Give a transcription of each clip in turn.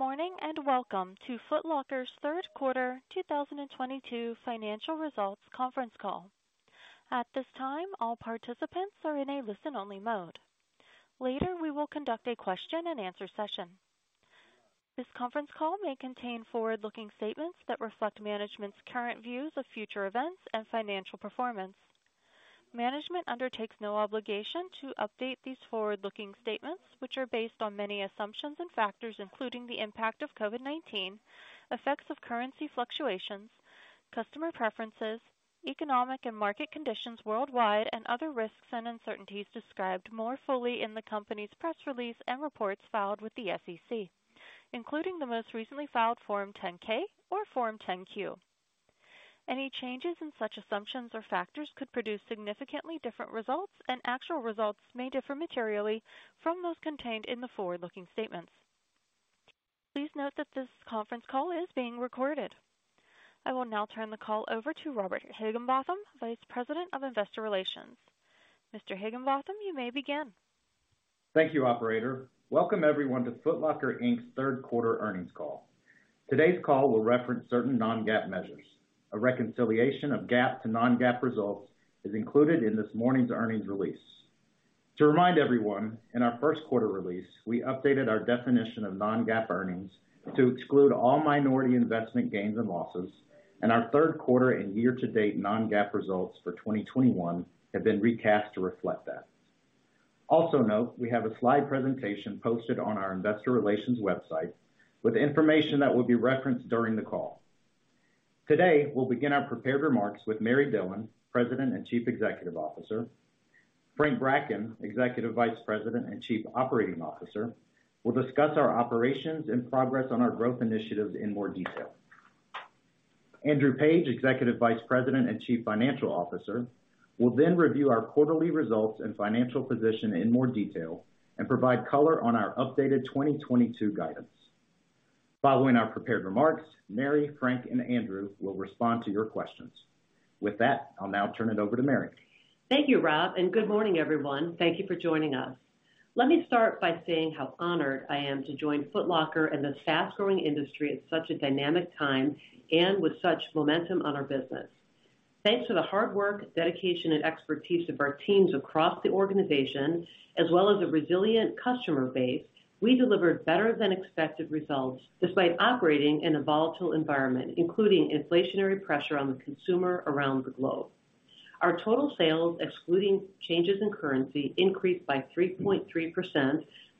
Good morning, and welcome to Foot Locker's third quarter 2022 financial results conference call. At this time, all participants are in a listen-only mode. Later, we will conduct a question-and-answer session. This conference call may contain forward-looking statements that reflect management's current views of future events and financial performance. Management undertakes no obligation to update these forward-looking statements, which are based on many assumptions and factors, including the impact of COVID-19, effects of currency fluctuations, customer preferences, economic and market conditions worldwide, and other risks and uncertainties described more fully in the company's press release and reports filed with the SEC, including the most recently filed Form 10-K or Form 10-Q. Any changes in such assumptions or factors could produce significantly different results, and actual results may differ materially from those contained in the forward-looking statements. Please note that this conference call is being recorded. I will now turn the call over to Robert Higginbotham, Vice President of Investor Relations. Mr. Higginbotham, you may begin. Thank you, operator. Welcome everyone to Foot Locker, Inc.'s third quarter earnings call. Today's call will reference certain non-GAAP measures. A reconciliation of GAAP to non-GAAP results is included in this morning's earnings release. To remind everyone, in our first quarter release, we updated our definition of non-GAAP earnings to exclude all minority investment gains and losses, and our third quarter and year-to-date non-GAAP results for 2021 have been recast to reflect that. Also note we have a slide presentation posted on our investor relations website with information that will be referenced during the call. Today, we'll begin our prepared remarks with Mary Dillon, President and Chief Executive Officer. Frank Bracken, Executive Vice President and Chief Operating Officer will discuss our operations and progress on our growth initiatives in more detail. Andrew Page, Executive Vice President and Chief Financial Officer will then review our quarterly results and financial position in more detail and provide color on our updated 2022 guidance. Following our prepared remarks, Mary, Frank, and Andrew will respond to your questions. With that, I'll now turn it over to Mary. Thank you, Rob, and good morning, everyone. Thank you for joining us. Let me start by saying how honored I am to join Foot Locker in the fast-growing industry at such a dynamic time and with such momentum on our business. Thanks to the hard work, dedication, and expertise of our teams across the organization, as well as a resilient customer base, we delivered better than expected results despite operating in a volatile environment, including inflationary pressure on the consumer around the globe. Our total sales, excluding changes in currency, increased by 3.3%,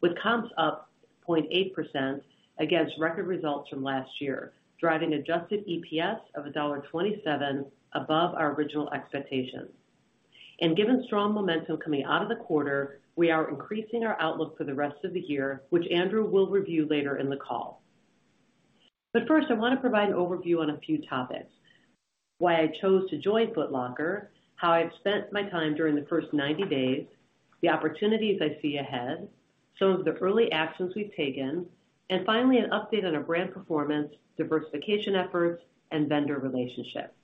with comps up 0.8% against record results from last year, driving adjusted EPS of $1.27 above our original expectations. Given strong momentum coming out of the quarter, we are increasing our outlook for the rest of the year, which Andrew will review later in the call. First, I want to provide an overview on a few topics. Why I chose to join Foot Locker, how I've spent my time during the first 90 days, the opportunities I see ahead, some of the early actions we've taken, and finally, an update on our brand performance, diversification efforts, and vendor relationships.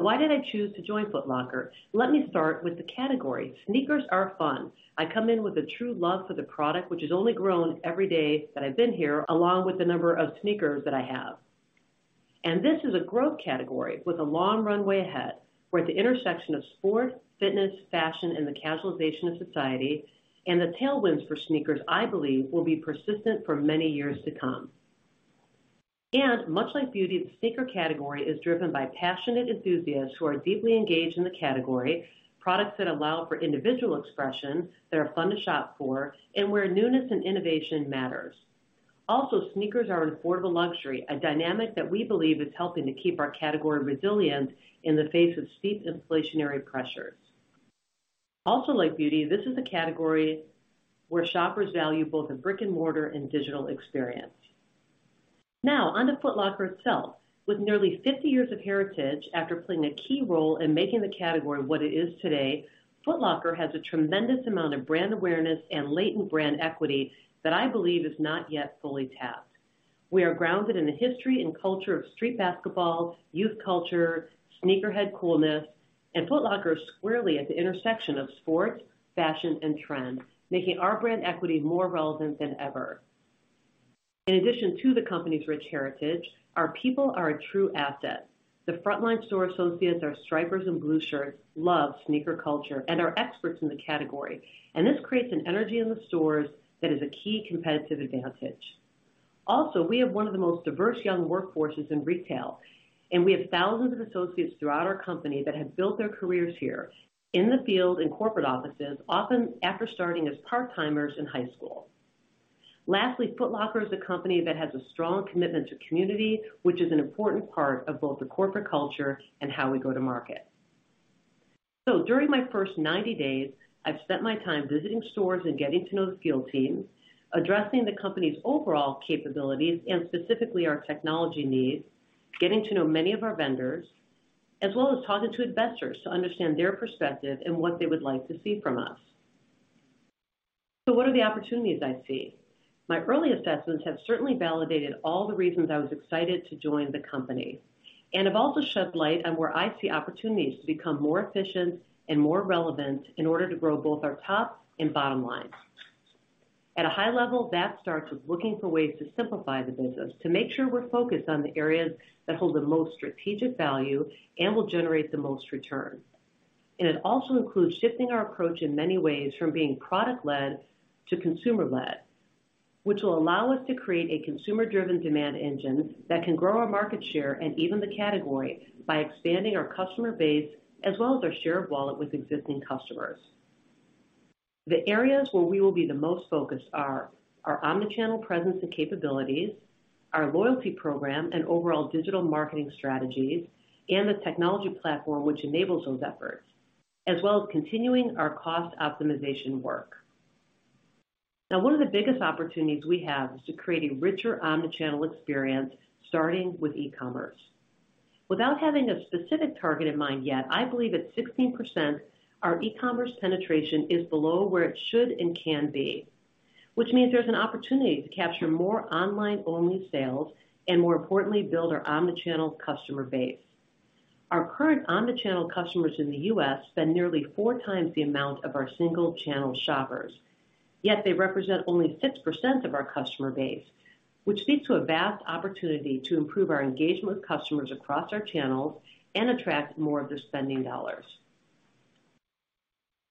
Why did I choose to join Foot Locker? Let me start with the category. Sneakers are fun. I come in with a true love for the product, which has only grown every day that I've been here, along with the number of sneakers that I have. This is a growth category with a long runway ahead. We're at the intersection of sport, fitness, fashion, and the casualization of society, and the tailwinds for sneakers, I believe, will be persistent for many years to come. Much like beauty, the sneaker category is driven by passionate enthusiasts who are deeply engaged in the category, products that allow for individual expression, that are fun to shop for, and where newness and innovation matters. Also, sneakers are an affordable luxury, a dynamic that we believe is helping to keep our category resilient in the face of steep inflationary pressures. Also, like beauty, this is a category where shoppers value both the brick-and-mortar and digital experience. Now onto Foot Locker itself. With nearly 50 years of heritage after playing a key role in making the category what it is today, Foot Locker has a tremendous amount of brand awareness and latent brand equity that I believe is not yet fully tapped. We are grounded in the history and culture of street basketball, youth culture, sneakerhead coolness, and Foot Locker is squarely at the intersection of sport, fashion, and trend, making our brand equity more relevant than ever. In addition to the company's rich heritage, our people are a true asset. The frontline store associates, our Stripers and blue shirts, love sneaker culture and are experts in the category. This creates an energy in the stores that is a key competitive advantage. Also, we have one of the most diverse young workforces in retail, and we have thousands of associates throughout our company that have built their careers here in the field, in corporate offices, often after starting as part-timers in high school. Lastly, Foot Locker is a company that has a strong commitment to community, which is an important part of both the corporate culture and how we go to market. During my first 90 days, I've spent my time visiting stores and getting to know the field teams, assessing the company's overall capabilities and specifically our technology needs, getting to know many of our vendors, as well as talking to investors to understand their perspective and what they would like to see from us. What are the opportunities I see? My early assessments have certainly validated all the reasons I was excited to join the company and have also shed light on where I see opportunities to become more efficient and more relevant in order to grow both our top and bottom line. At a high level, that starts with looking for ways to simplify the business, to make sure we're focused on the areas that hold the most strategic value and will generate the most return. It also includes shifting our approach in many ways from being product-led to consumer-led, which will allow us to create a consumer-driven demand engine that can grow our market share and even the category by expanding our customer base as well as our share of wallet with existing customers. The areas where we will be the most focused are our omni-channel presence and capabilities, our loyalty program and overall digital marketing strategies, and the technology platform which enables those efforts, as well as continuing our cost optimization work. Now, one of the biggest opportunities we have is to create a richer omni-channel experience, starting with e-commerce. Without having a specific target in mind yet, I believe at 16% our e-commerce penetration is below where it should and can be, which means there's an opportunity to capture more online-only sales and, more importantly, build our omni-channel customer base. Our current omni-channel customers in the U.S. spend nearly four times the amount of our single channel shoppers. Yet they represent only 6% of our customer base, which speaks to a vast opportunity to improve our engagement with customers across our channels and attract more of their spending dollars.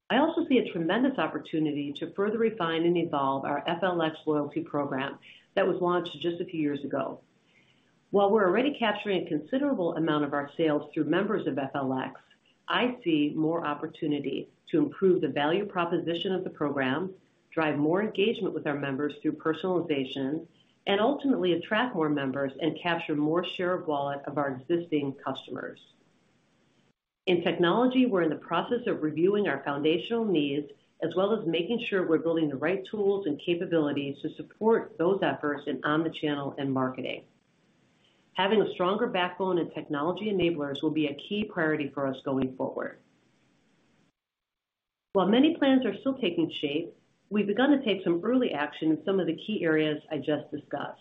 I also see a tremendous opportunity to further refine and evolve our FLX loyalty program that was launched just a few years ago. While we're already capturing a considerable amount of our sales through members of FLX, I see more opportunity to improve the value proposition of the program, drive more engagement with our members through personalization, and ultimately attract more members and capture more share of wallet of our existing customers. In technology, we're in the process of reviewing our foundational needs as well as making sure we're building the right tools and capabilities to support those efforts in omni-channel and marketing. Having a stronger backbone and technology enablers will be a key priority for us going forward. While many plans are still taking shape, we've begun to take some early action in some of the key areas I just discussed.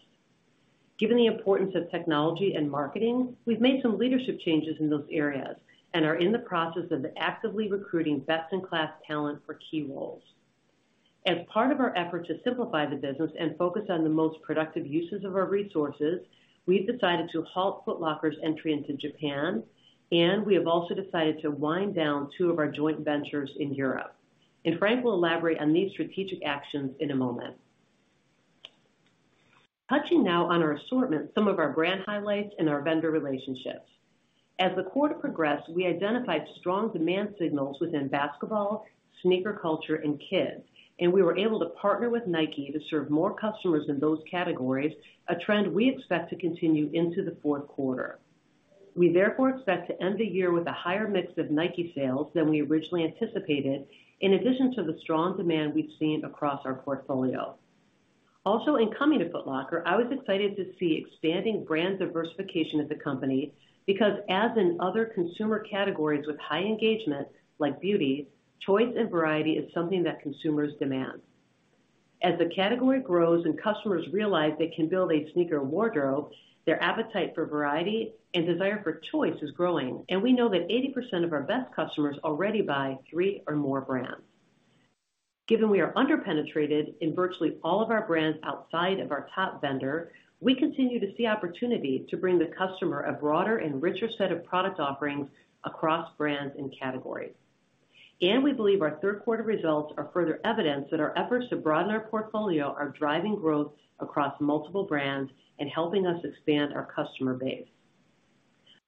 Given the importance of technology and marketing, we've made some leadership changes in those areas and are in the process of actively recruiting best-in-class talent for key roles. As part of our effort to simplify the business and focus on the most productive uses of our resources, we've decided to halt Foot Locker's entry into Japan, and we have also decided to wind down two of our joint ventures in Europe. Frank will elaborate on these strategic actions in a moment. Touching now on our assortment, some of our brand highlights and our vendor relationships. As the quarter progressed, we identified strong demand signals within basketball, sneaker culture, and kids, and we were able to partner with Nike to serve more customers in those categories, a trend we expect to continue into the fourth quarter. We therefore expect to end the year with a higher mix of Nike sales than we originally anticipated, in addition to the strong demand we've seen across our portfolio. Also, in coming to Foot Locker, I was excited to see expanding brand diversification at the company because as in other consumer categories with high engagement like beauty, choice and variety is something that consumers demand. As the category grows and customers realize they can build a sneaker wardrobe, their appetite for variety and desire for choice is growing. We know that 80% of our best customers already buy three or more brands. Given we are underpenetrated in virtually all of our brands outside of our top vendor, we continue to see opportunity to bring the customer a broader and richer set of product offerings across brands and categories. We believe our third quarter results are further evidence that our efforts to broaden our portfolio are driving growth across multiple brands and helping us expand our customer base.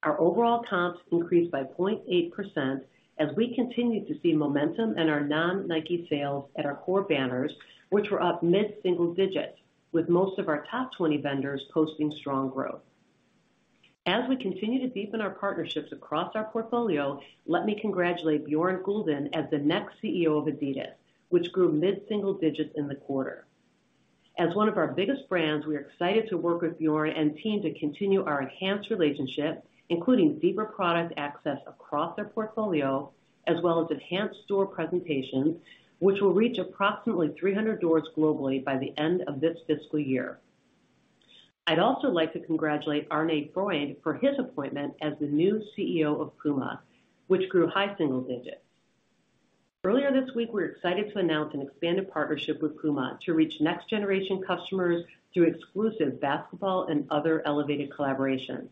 Our overall comps increased by 0.8% as we continue to see momentum in our non-Nike sales at our core banners, which were up mid-single digits with most of our top 20 vendors posting strong growth. As we continue to deepen our partnerships across our portfolio, let me congratulate Bjørn Gulden as the next CEO of adidas, which grew mid-single digits in the quarter. As one of our biggest brands, we are excited to work with Bjørn and team to continue our enhanced relationship, including deeper product access across their portfolio as well as enhanced store presentation, which will reach approximately 300 doors globally by the end of this fiscal year. I'd also like to congratulate Arne Freundt for his appointment as the new CEO of Puma, which grew high single digits. Earlier this week, we're excited to announce an expanded partnership with Puma to reach next-generation customers through exclusive basketball and other elevated collaborations.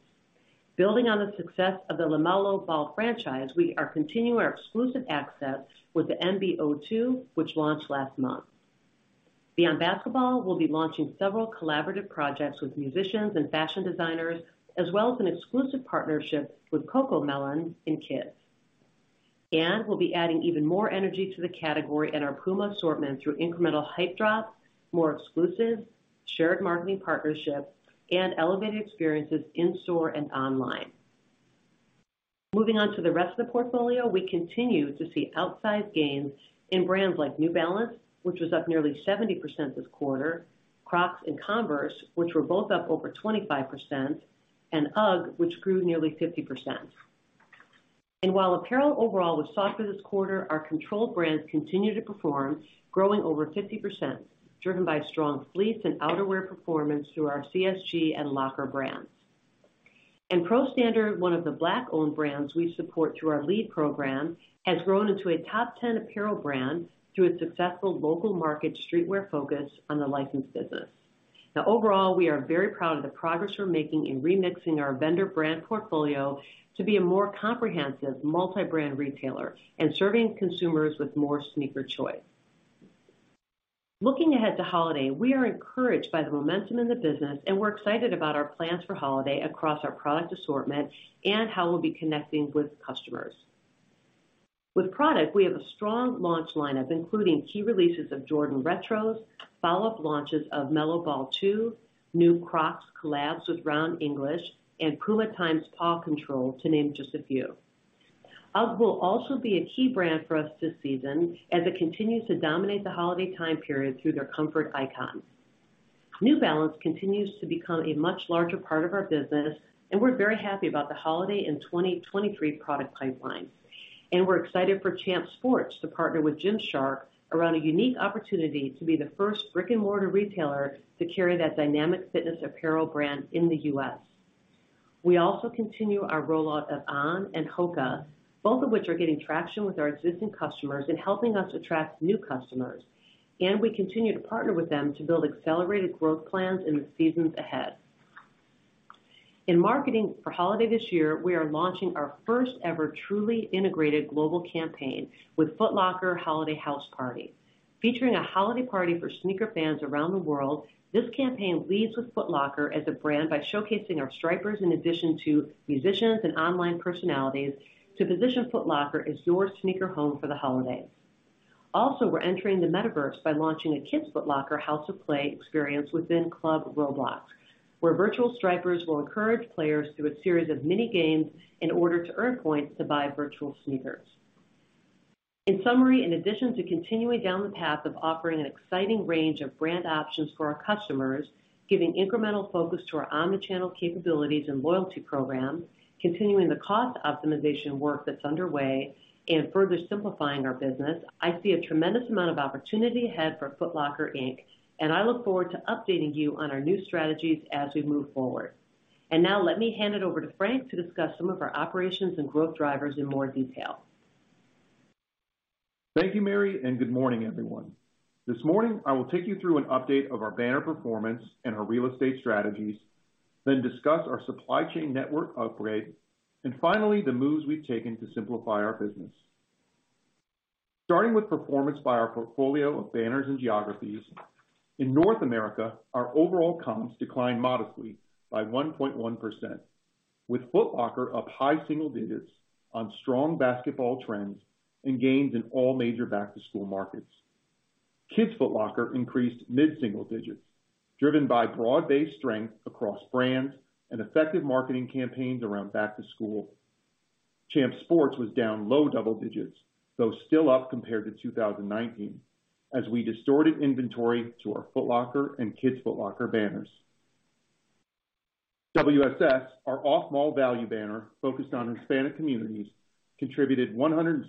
Building on the success of the LaMelo Ball franchise, we are continuing our exclusive access with the MB.02, which launched last month. Beyond basketball, we'll be launching several collaborative projects with musicians and fashion designers, as well as an exclusive partnership with CoComelon in kids. We'll be adding even more energy to the category in our Puma assortment through incremental hype drops, more exclusives, shared marketing partnerships, and elevated experiences in-store and online. Moving on to the rest of the portfolio. We continue to see outsized gains in brands like New Balance, which was up nearly 70% this quarter, Crocs and Converse, which were both up over 25%, and UGG, which grew nearly 50%. While apparel overall was soft for this quarter, our control brands continue to perform, growing over 50%, driven by strong fleece and outerwear performance through our CSG and LCKR brands. Pro Standard, one of the Black-owned brands we support through our LEED program, has grown into a top 10 apparel brand through its successful local market streetwear focus on the licensed business. Now overall, we are very proud of the progress we're making in remixing our vendor brand portfolio to be a more comprehensive multi-brand retailer and serving consumers with more sneaker choice. Looking ahead to holiday, we are encouraged by the momentum in the business, and we're excited about our plans for holiday across our product assortment and how we'll be connecting with customers. With product, we have a strong launch lineup, including key releases of Jordan Retros, follow-up launches of MB.02, new Crocs collabs with Ron English, and Puma x PAW Patrol, to name just a few. UGG will also be a key brand for us this season as it continues to dominate the holiday time period through their comfort icon. New Balance continues to become a much larger part of our business, and we're very happy about the holiday and 2023 product pipeline. We're excited for Champs Sports to partner with Gymshark around a unique opportunity to be the first brick-and-mortar retailer to carry that dynamic fitness apparel brand in the U.S. We also continue our rollout of On and Hoka, both of which are getting traction with our existing customers and helping us attract new customers. We continue to partner with them to build accelerated growth plans in the seasons ahead. In marketing for holiday this year, we are launching our first-ever truly integrated global campaign with Foot Locker Holiday House Party. Featuring a holiday party for sneaker fans around the world, this campaign leads with Foot Locker as a brand by showcasing our Stripers in addition to musicians and online personalities to position Foot Locker as your sneaker home for the holiday. Also, we're entering the Metaverse by launching a Kids Foot Locker House of Play experience within Club Roblox, where virtual Stripers will encourage players through a series of mini-games in order to earn points to buy virtual sneakers. In summary, in addition to continuing down the path of offering an exciting range of brand options for our customers, giving incremental focus to our omni-channel capabilities and loyalty program, continuing the cost optimization work that's underway, and further simplifying our business, I see a tremendous amount of opportunity ahead for Foot Locker, Inc. I look forward to updating you on our new strategies as we move forward. Now let me hand it over to Frank to discuss some of our operations and growth drivers in more detail. Thank you, Mary. Good morning, everyone. This morning, I will take you through an update of our banner performance and our real estate strategies, then discuss our supply chain network upgrade, and finally, the moves we've taken to simplify our business. Starting with performance by our portfolio of banners and geographies, in North America, our overall comps declined modestly by 1.1%, with Foot Locker up high single digits on strong basketball trends and gains in all major back-to-school markets. Kids Foot Locker increased mid-single digits, driven by broad-based strength across brands and effective marketing campaigns around back-to-school. Champs Sports was down low double digits, though still up compared to 2019, as we distorted inventory to our Foot Locker and Kids Foot Locker banners. WSS, our off-mall value banner focused on Hispanic communities, contributed $162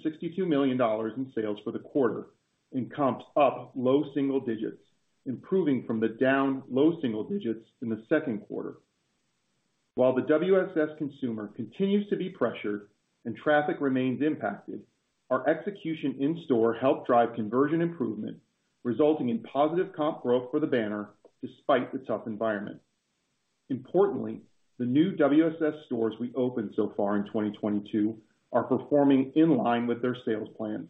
million in sales for the quarter and comps up low single digits, improving from the down low single digits in the second quarter. While the WSS consumer continues to be pressured and traffic remains impacted, our execution in store helped drive conversion improvement, resulting in positive comp growth for the banner despite the tough environment. Importantly, the new WSS stores we opened so far in 2022 are performing in line with their sales plans,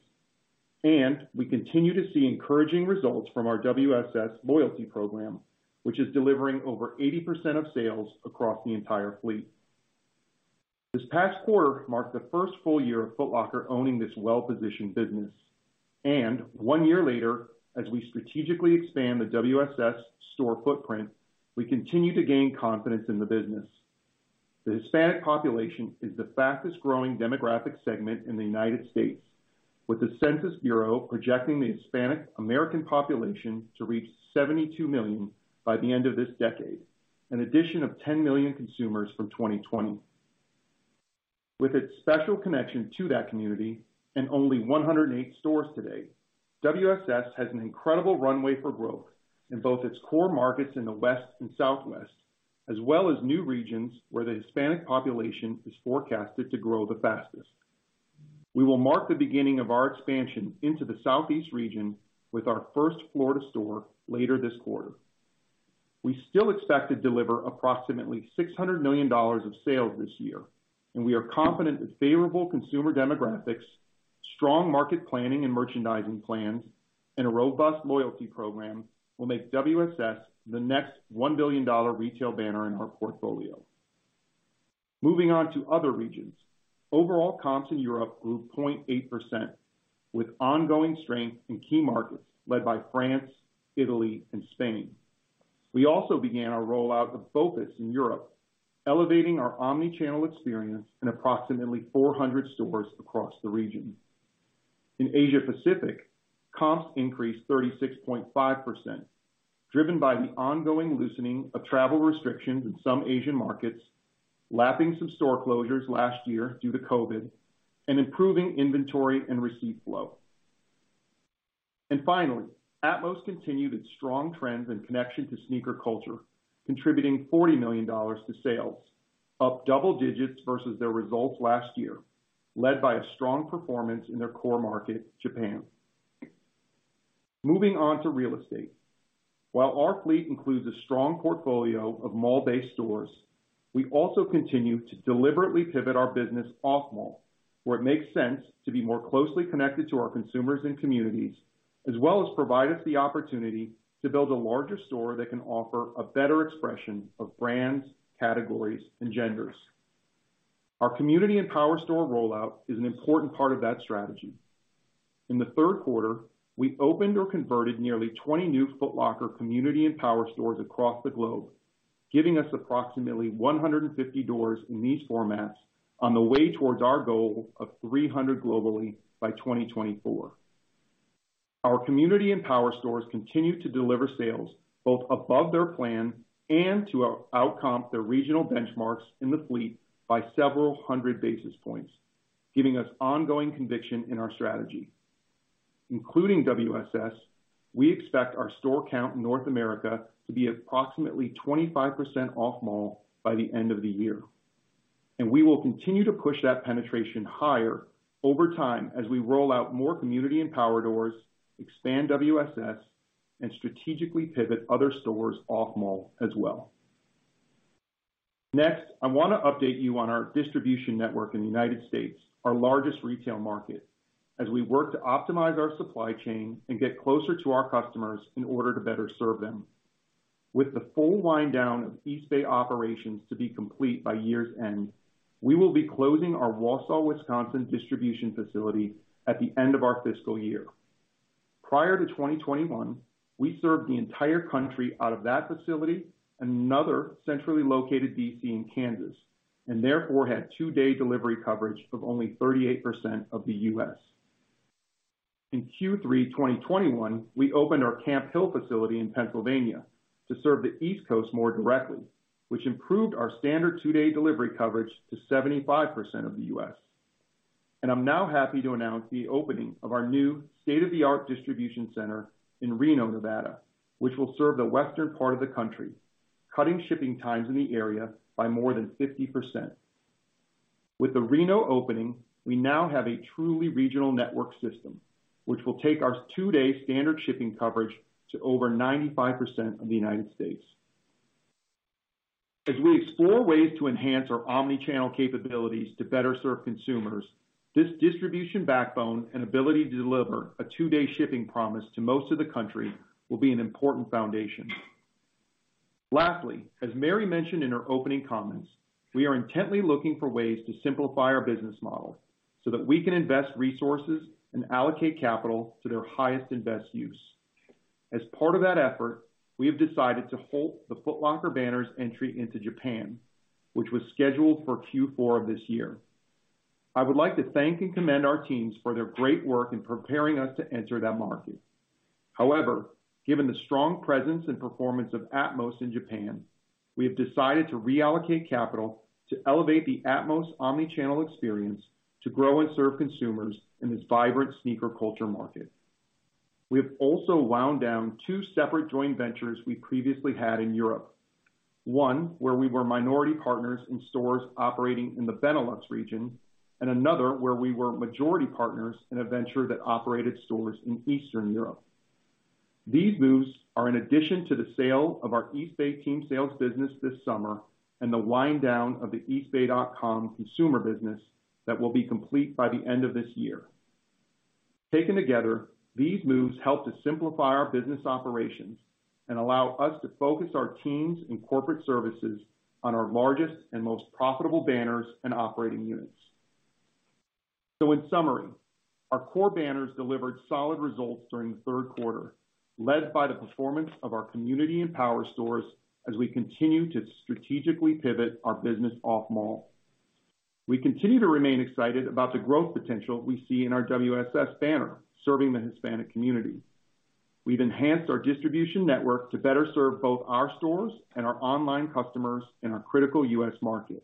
and we continue to see encouraging results from our WSS loyalty program, which is delivering over 80% of sales across the entire fleet. This past quarter marked the first full year of Foot Locker owning this well-positioned business. One year later, as we strategically expand the WSS store footprint, we continue to gain confidence in the business. The Hispanic population is the fastest-growing demographic segment in the United States, with the Census Bureau projecting the Hispanic American population to reach 72 million by the end of this decade, an addition of 10 million consumers from 2020. With its special connection to that community and only 108 stores today, WSS has an incredible runway for growth in both its core markets in the West and Southwest, as well as new regions where the Hispanic population is forecasted to grow the fastest. We will mark the beginning of our expansion into the Southeast region with our first Florida store later this quarter. We still expect to deliver approximately $600 million of sales this year, and we are confident that favorable consumer demographics, strong market planning and merchandising plans, and a robust loyalty program will make WSS the next one billion-dollar retail banner in our portfolio. Moving on to other regions. Overall comps in Europe grew 0.8%, with ongoing strength in key markets led by France, Italy, and Spain. We also began our rollout with BOPIS in Europe, elevating our omni-channel experience in approximately 400 stores across the region. In Asia Pacific, comps increased 36.5%, driven by the ongoing loosening of travel restrictions in some Asian markets, lapping some store closures last year due to COVID-19, and improving inventory and receipt flow. Finally, atmos continued its strong trends in connection to sneaker culture, contributing $40 million to sales, up double digits versus their results last year, led by a strong performance in their core market, Japan. Moving on to real estate. While our fleet includes a strong portfolio of mall-based stores, we also continue to deliberately pivot our business off-mall, where it makes sense to be more closely connected to our consumers and communities, as well as provide us the opportunity to build a larger store that can offer a better expression of brands, categories, and genders. Our community and Power store rollout is an important part of that strategy. In the third quarter, we opened or converted nearly 20 new Foot Locker Community and Power stores across the globe, giving us approximately 150 doors in these formats on the way towards our goal of 300 globally by 2024. Our Community and Power stores continue to deliver sales both above their plan and to out-comp their regional benchmarks in the fleet by several hundred basis points, giving us ongoing conviction in our strategy. Including WSS, we expect our store count in North America to be approximately 25% off-mall by the end of the year, and we will continue to push that penetration higher over time as we roll out more Community and Power doors, expand WSS, and strategically pivot other stores off-mall as well. Next, I wanna update you on our distribution network in the United States, our largest retail market, as we work to optimize our supply chain and get closer to our customers in order to better serve them. With the full wind-down of Eastbay operations to be complete by year's end, we will be closing our Wausau, Wisconsin, distribution facility at the end of our fiscal year. Prior to 2021, we served the entire country out of that facility and another centrally located D.C. in Kansas, and therefore had two-day delivery coverage of only 38% of the U.S. In Q3 2021, we opened our Camp Hill facility in Pennsylvania to serve the East Coast more directly, which improved our standard two-day delivery coverage to 75% of the U.S. I'm now happy to announce the opening of our new state-of-the-art distribution center in Reno, Nevada, which will serve the western part of the country, cutting shipping times in the area by more than 50%. With the Reno opening, we now have a truly regional network system, which will take our two-day standard shipping coverage to over 95% of the United States. As we explore ways to enhance our omni-channel capabilities to better serve consumers, this distribution backbone and ability to deliver a two-day shipping promise to most of the country will be an important foundation. Lastly, as Mary mentioned in her opening comments, we are intently looking for ways to simplify our business model so that we can invest resources and allocate capital to their highest and best use. As part of that effort, we have decided to halt the Foot Locker banners entry into Japan, which was scheduled for Q4 of this year. I would like to thank and commend our teams for their great work in preparing us to enter that market. However, given the strong presence and performance of atmos in Japan, we have decided to reallocate capital to elevate the atmos omni-channel experience to grow and serve consumers in this vibrant sneaker culture market. We have also wound down two separate joint ventures we previously had in Europe. One, where we were minority partners in stores operating in the Benelux region, and another where we were majority partners in a venture that operated stores in Eastern Europe. These moves are in addition to the sale of our Eastbay Team Sales business this summer and the wind-down of the eastbay.com consumer business that will be complete by the end of this year. Taken together, these moves help to simplify our business operations and allow us to focus our teams and corporate services on our largest and most profitable banners and operating units. In summary, our core banners delivered solid results during the third quarter, led by the performance of our community and power stores as we continue to strategically pivot our business off-mall. We continue to remain excited about the growth potential we see in our WSS banner serving the Hispanic community. We've enhanced our distribution network to better serve both our stores and our online customers in our critical U.S. market.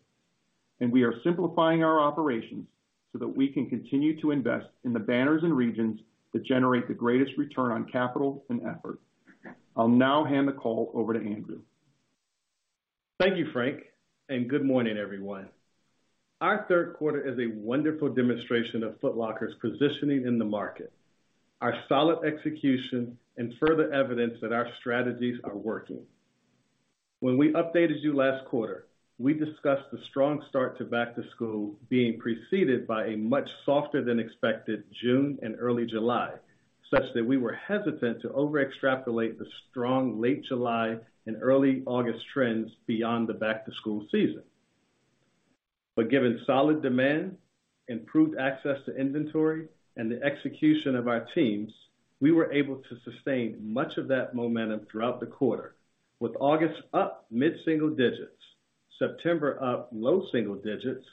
We are simplifying our operations so that we can continue to invest in the banners and regions that generate the greatest return on capital and effort. I'll now hand the call over to Andrew. Thank you, Frank, and good morning, everyone. Our third quarter is a wonderful demonstration of Foot Locker's positioning in the market, our solid execution, and further evidence that our strategies are working. When we updated you last quarter, we discussed the strong start to back-to-school being preceded by a much softer than expected June and early July, such that we were hesitant to overextrapolate the strong late July and early August trends beyond the back-to-school season. Given solid demand, improved access to inventory, and the execution of our teams, we were able to sustain much of that momentum throughout the quarter, with August up mid-single digits, September up low single digits,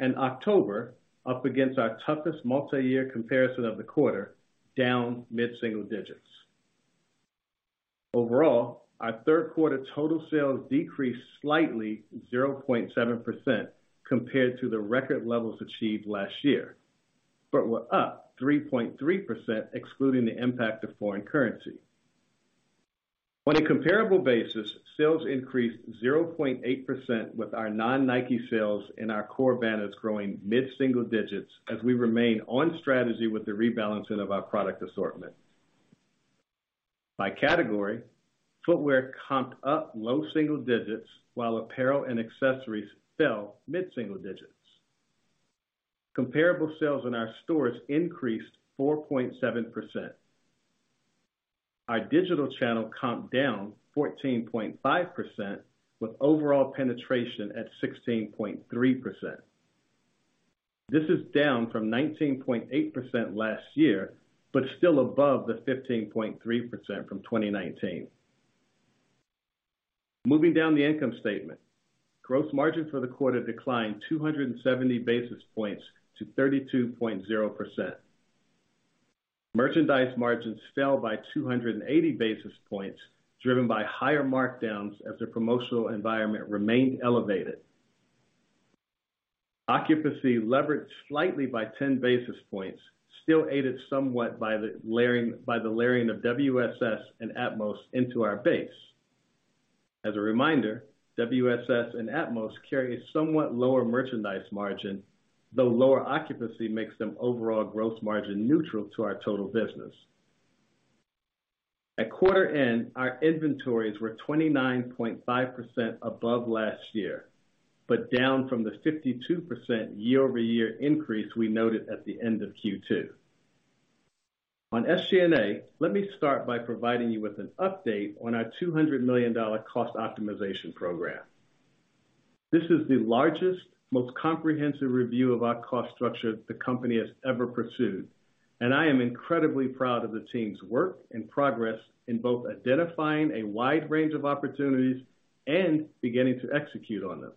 and October up against our toughest multi-year comparison of the quarter, down mid-single digits. Overall, our third quarter total sales decreased slightly 0.7% compared to the record levels achieved last year, but were up 3.3% excluding the impact of foreign currency. On a comparable basis, sales increased 0.8% with our non-Nike sales and our core banners growing mid-single digits as we remain on strategy with the rebalancing of our product assortment. By category, footwear comped up low single digits while apparel and accessories fell mid-single digits. Comparable sales in our stores increased 4.7%. Our digital channel comped down 14.5% with overall penetration at 16.3%. This is down from 19.8% last year, but still above the 15.3% from 2019. Moving down the income statement. Gross margin for the quarter declined 270 basis points to 32.0%. Merchandise margins fell by 280 basis points, driven by higher markdowns as the promotional environment remained elevated. Occupancy levered slightly by 10 basis points, still aided somewhat by the layering of WSS and atmos into our base. As a reminder, WSS and atmos carry a somewhat lower merchandise margin, though lower occupancy makes them overall gross margin neutral to our total business. At quarter end, our inventories were 29.5% above last year, but down from the 52% year-over-year increase we noted at the end of Q2. On SG&A, let me start by providing you with an update on our $200 million cost optimization program. This is the largest, most comprehensive review of our cost structure the company has ever pursued, and I am incredibly proud of the team's work and progress in both identifying a wide range of opportunities and beginning to execute on them.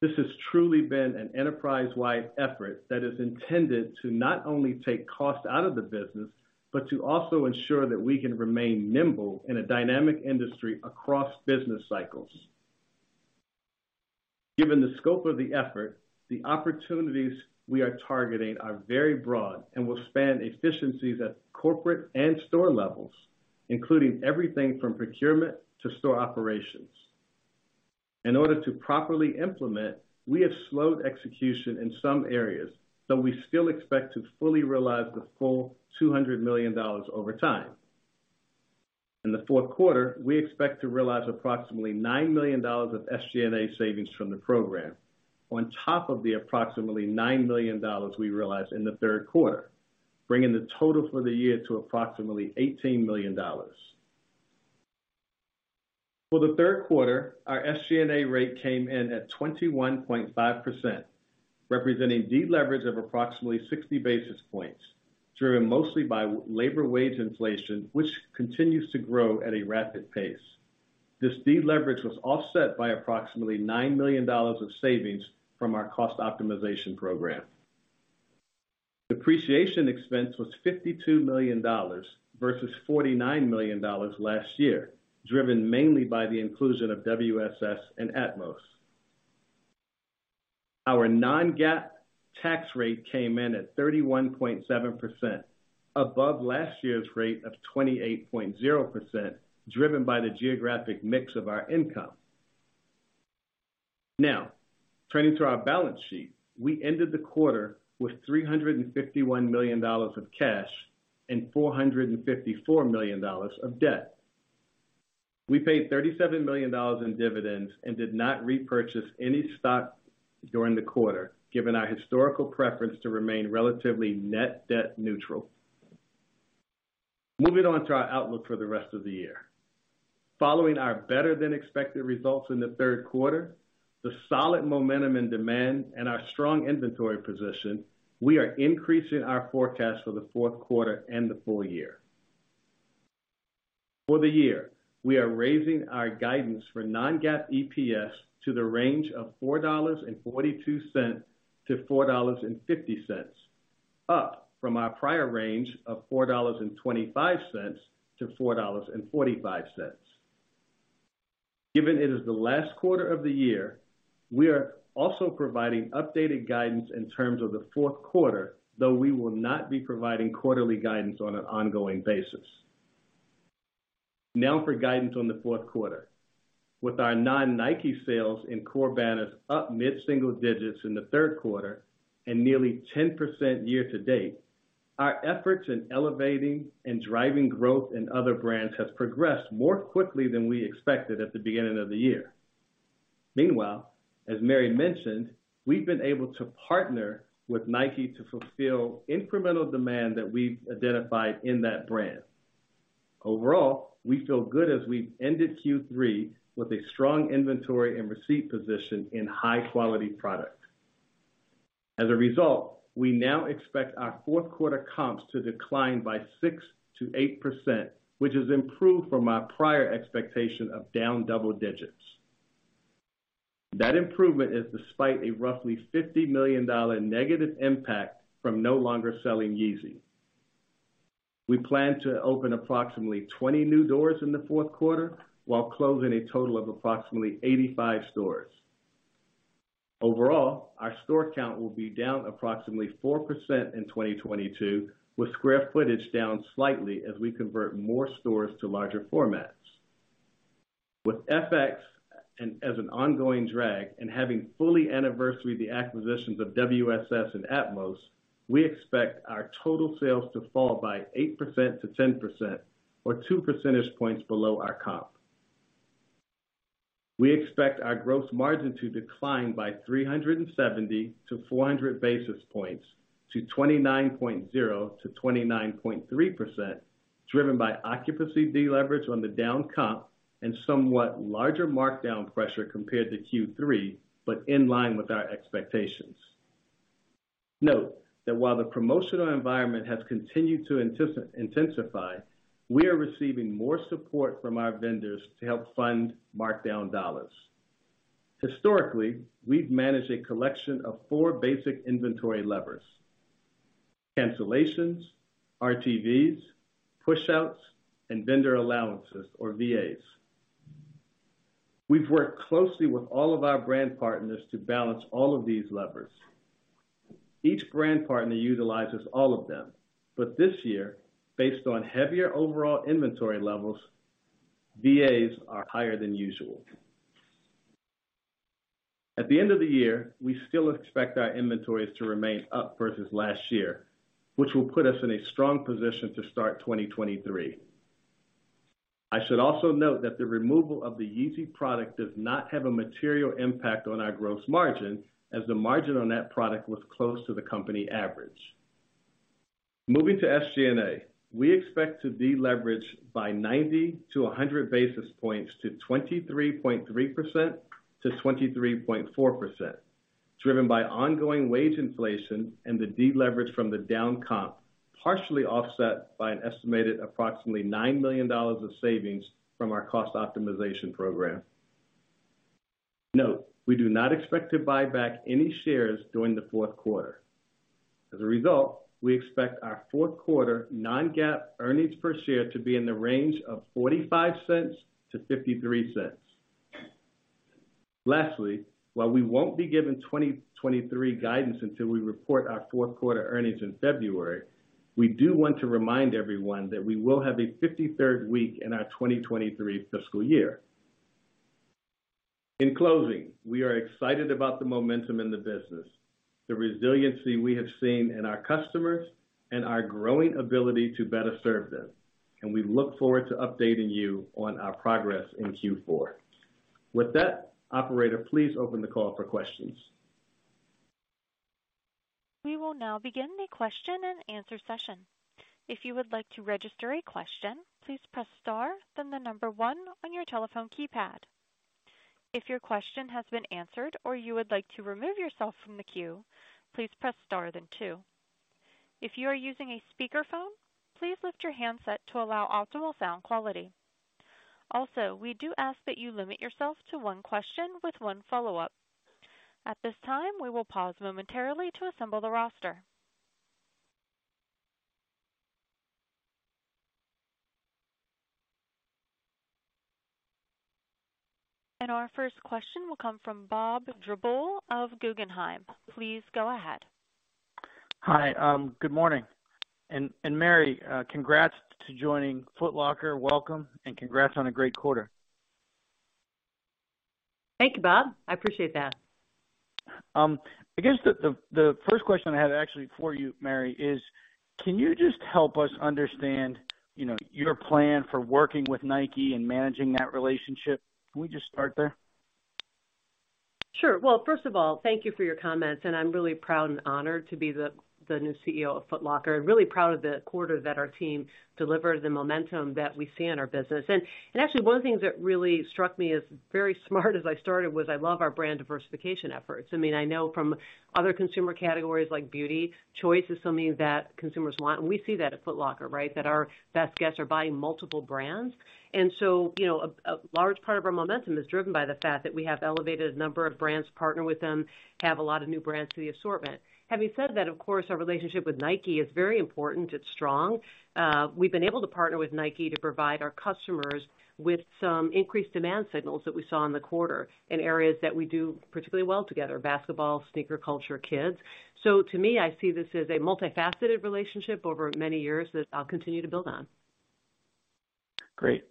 This has truly been an enterprise-wide effort that is intended to not only take cost out of the business, but to also ensure that we can remain nimble in a dynamic industry across business cycles. Given the scope of the effort, the opportunities we are targeting are very broad and will span efficiencies at corporate and store levels, including everything from procurement to store operations. In order to properly implement, we have slowed execution in some areas, though we still expect to fully realize the full $200 million over time. In the fourth quarter, we expect to realize approximately $9 million of SG&A savings from the program on top of the approximately $9 million we realized in the third quarter, bringing the total for the year to approximately $18 million. For the third quarter, our SG&A rate came in at 21.5%, representing deleverage of approximately 60 basis points, driven mostly by labor wage inflation, which continues to grow at a rapid pace. This deleverage was offset by approximately $9 million of savings from our cost optimization program. Depreciation expense was $52 million, versus $49 million last year, driven mainly by the inclusion of WSS and atmos. Our non-GAAP tax rate came in at 31.7%, above last year's rate of 28.0%, driven by the geographic mix of our income. Now, turning to our balance sheet. We ended the quarter with $351 million of cash and $454 million of debt. We paid $37 million in dividends and did not repurchase any stock during the quarter, given our historical preference to remain relatively net-debt neutral. Moving on to our outlook for the rest of the year. Following our better-than-expected results in the third quarter, the solid momentum and demand and our strong inventory position, we are increasing our forecast for the fourth quarter and the full year. For the year, we are raising our guidance for non-GAAP EPS to the range of $4.42-$4.50, up from our prior range of $4.25-$4.45. Given it is the last quarter of the year, we are also providing updated guidance in terms of the fourth quarter, though we will not be providing quarterly guidance on an ongoing basis. Now for guidance on the fourth quarter. With our non-Nike sales and core banners up mid-single digits in the third quarter and nearly 10% year-to-date, our efforts in elevating and driving growth in other brands has progressed more quickly than we expected at the beginning of the year. Meanwhile, as Mary mentioned, we've been able to partner with Nike to fulfill incremental demand that we've identified in that brand. Overall, we feel good as we've ended Q3 with a strong inventory and receipt position in high-quality products. As a result, we now expect our fourth quarter comps to decline by 6%-8%, which has improved from our prior expectation of down double digits. That improvement is despite a roughly $50 million negative impact from no longer selling YEEZY. We plan to open approximately 20 new doors in the fourth quarter while closing a total of approximately 85 stores. Overall, our store count will be down approximately 4% in 2022, with square footage down slightly as we convert more stores to larger formats. With F.X. and as an ongoing drag and having fully anniversary the acquisitions of WSS and atmos, we expect our total sales to fall by 8%-10% or 2 percentage points below our comp. We expect our gross margin to decline by 370 basis points-400 basis points to 29.0%-29.3% driven by occupancy deleverage on the down comp and somewhat larger markdown pressure compared to Q3, but in line with our expectations. Note that while the promotional environment has continued to intensify, we are receiving more support from our vendors to help fund markdown dollars. Historically, we've managed a collection of four basic inventory levers, cancellations, RTVs, pushouts, and vendor allowances or VAs. We've worked closely with all of our brand partners to balance all of these levers. Each brand partner utilizes all of them, but this year, based on heavier overall inventory levels, VAs are higher than usual. At the end of the year, we still expect our inventories to remain up versus last year, which will put us in a strong position to start 2023. I should also note that the removal of the Yeezy product does not have a material impact on our gross margin, as the margin on that product was close to the company average. Moving to SG&A, we expect to deleverage by 90-100 basis points to 23.3%-23.4%, driven by ongoing wage inflation and the deleverage from the down comp, partially offset by an estimated approximately $9 million of savings from our cost optimization program. Note, we do not expect to buy back any shares during the fourth quarter. As a result, we expect our fourth quarter non-GAAP earnings per share to be in the range of $0.45-$0.53. Lastly, while we won't be giving 2023 guidance until we report our fourth quarter earnings in February, we do want to remind everyone that we will have a 53rd week in our 2023 fiscal year. In closing, we are excited about the momentum in the business, the resiliency we have seen in our customers and our growing ability to better serve them. We look forward to updating you on our progress in Q4. With that, Operator, please open the call for questions. We will now begin the question and answer session. If you would like to register a question, please press star, then the number one on your telephone keypad. If your question has been answered or you would like to remove yourself from the queue, please press star then two. If you are using a speakerphone, please lift your handset to allow optimal sound quality. Also, we do ask that you limit yourself to one question with one follow-up. At this time, we will pause momentarily to assemble the roster. Our first question will come from Bob Drbul of Guggenheim. Please go ahead. Hi, good morning. Mary, congrats to joining Foot Locker. Welcome, and congrats on a great quarter. Thank you, Bob. I appreciate that. I guess the first question I had actually for you, Mary, is can you just help us understand, you know, your plan for working with Nike and managing that relationship? Can we just start there? Sure. Well, first of all, thank you for your comments. I'm really proud and honored to be the new CEO of Foot Locker and really proud of the quarter that our team delivered, the momentum that we see in our business. Actually one of the things that really struck me as very smart as I started was I love our brand diversification efforts. I mean, I know from other consumer categories like beauty, choice is something that consumers want, and we see that at Foot Locker, right? That our best guests are buying multiple brands. You know, a large part of our momentum is driven by the fact that we have elevated a number of brands, partner with them, have a lot of new brands to the assortment. Having said that, of course, our relationship with Nike is very important. It's strong. We've been able to partner with Nike to provide our customers with some increased demand signals that we saw in the quarter in areas that we do particularly well together, basketball, sneaker culture, kids. To me, I see this as a multifaceted relationship over many years that I'll continue to build on. Great.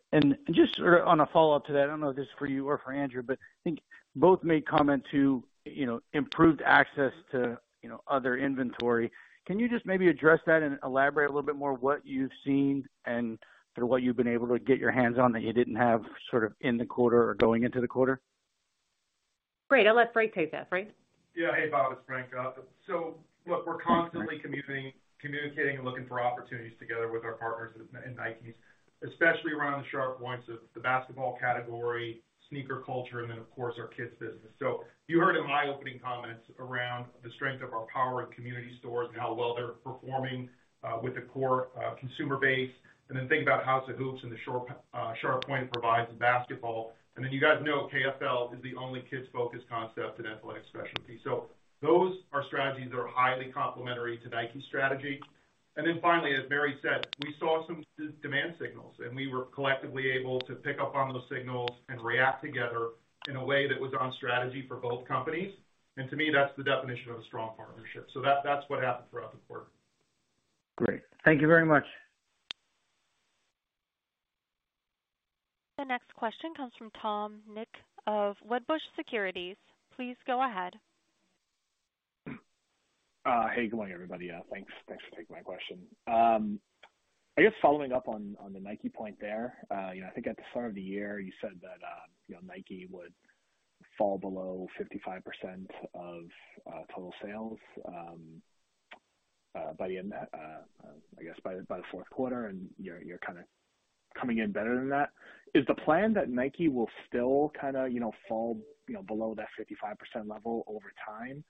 Just on a follow-up to that, I don't know if this is for you or for Andrew, but I think both made comment to, you know, improved access to, you know, other inventory. Can you just maybe address that and elaborate a little bit more what you've seen and sort of what you've been able to get your hands on that you didn't have sort of in the quarter or going into the quarter? Great. I'll let Frank take that. Frank? Yeah. Hey, Bob, it's Frank. Look, we're constantly communicating and looking for opportunities together with our partners in Nike, especially around the sharp points of the basketball category, sneaker culture, and then, of course, our kids business. You heard in my opening comments around the strength of our power and community stores and how well they're performing with the core consumer base. Think about House of Hoops and the sharp point it provides in basketball. You guys know KFL is the only kids-focused concept in athletic specialty. Those are strategies that are highly complementary to Nike's strategy. Finally, as Mary said, we saw some demand signals, and we were collectively able to pick up on those signals and react together in a way that was on strategy for both companies. To me, that's the definition of a strong partnership. That's what happened throughout the quarter. Great. Thank you very much. The next question comes from Tom Nikic of Wedbush Securities. Please go ahead. Hey, good morning, everybody. Thanks for taking my question. I guess following up on the Nike point there, you know, I think at the start of the year, you said that Nike would fall below 55% of total sales by the fourth quarter, and you're kinda coming in better than that. Is the plan that Nike will still kinda, you know, fall, you know, below that 55% level over time?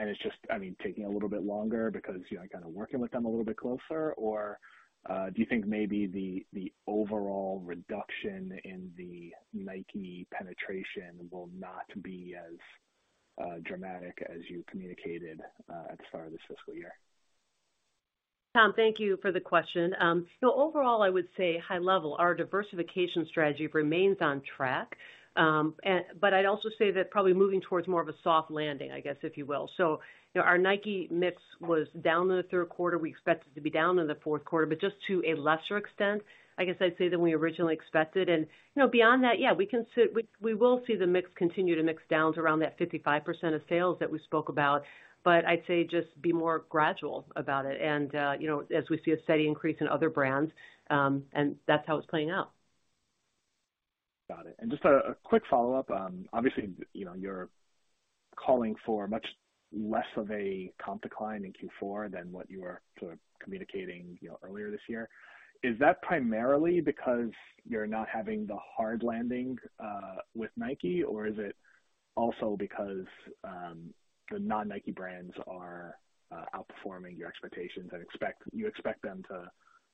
It's just, I mean, taking a little bit longer because you are kinda working with them a little bit closer? Do you think maybe the overall reduction in the Nike penetration will not be as dramatic as you communicated at the start of this fiscal year? Tom, thank you for the question. Overall, I would say high level, our diversification strategy remains on track. I'd also say that probably moving towards more of a soft landing, I guess, if you will. You know, our Nike mix was down in the third quarter. We expect it to be down in the fourth quarter, but just to a lesser extent, I guess I'd say, than we originally expected. You know, beyond that, yeah, we will see the mix continue to mix down to around that 55% of sales that we spoke about. I'd say just be more gradual about it and, you know, as we see a steady increase in other brands, and that's how it's playing out. Got it. Just a quick follow-up. Obviously, you know, you're calling for much less of a comp decline in Q4 than what you were sort of communicating, you know, earlier this year. Is that primarily because you're not having the hard landing with Nike? Is it also because the non-Nike brands are outperforming your expectations and you expect them to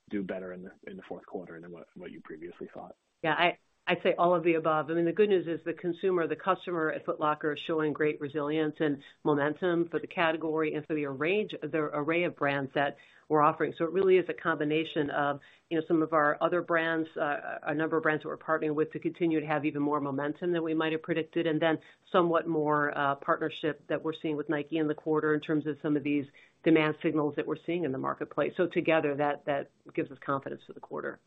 do better in the fourth quarter than what you previously thought? Yeah, I'd say all of the above. I mean, the good news is the consumer, the customer at Foot Locker is showing great resilience and momentum for the category and for the array of brands that we're offering. It really is a combination of, you know, some of our other brands, a number of brands that we're partnering with to continue to have even more momentum than we might have predicted, and then somewhat more partnership that we're seeing with Nike in the quarter in terms of some of these demand signals that we're seeing in the marketplace. Together, that gives us confidence for the quarter.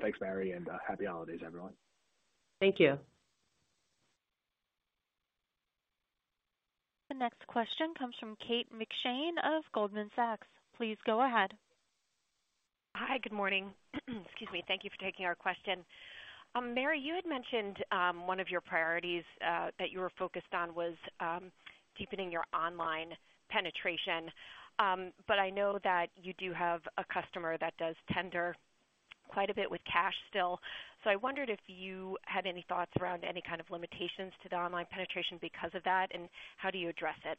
Thanks, Mary, and happy holidays, everyone. Thank you. The next question comes from Kate McShane of Goldman Sachs. Please go ahead. Hi, good morning. Excuse me. Thank you for taking our question. Mary, you had mentioned one of your priorities that you were focused on was deepening your online penetration. I know that you do have a customer that does tender quite a bit with cash still. I wondered if you had any thoughts around any kind of limitations to the online penetration because of that, and how do you address it?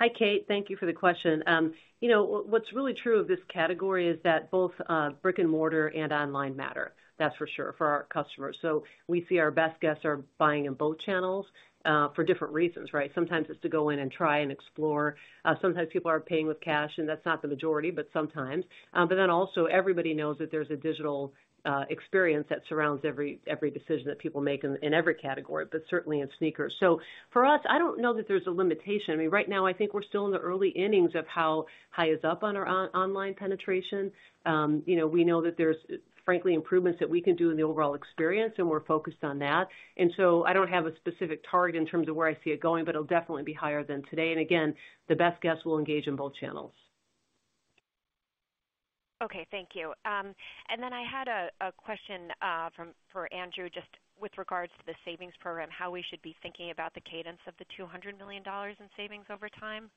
Hi, Kate. Thank you for the question. You know, what's really true of this category is that both brick and mortar and online matter, that's for sure, for our customers. We see our best guests are buying in both channels for different reasons, right? Sometimes it's to go in and try and explore. Sometimes people are paying with cash, and that's not the majority, but sometimes. Also everybody knows that there's a digital experience that surrounds every decision that people make in every category, but certainly in sneakers. For us, I don't know that there's a limitation. I mean, right now, I think we're still in the early innings of how high is up on our online penetration. You know, we know that there's, frankly, improvements that we can do in the overall experience, and we're focused on that. I don't have a specific target in terms of where I see it going, but it'll definitely be higher than today. Again, the best guests will engage in both channels. Okay. Thank you. I had a question for Andrew just with regards to the savings program, how we should be thinking about the cadence of the $200 million in savings over time.